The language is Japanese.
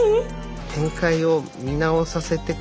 展開を見直させてくれないかな？